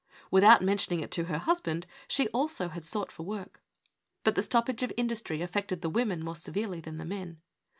Without mentioning it to her husband, she also had sought for work. But the stoppage of industry affected the women more severely than the men.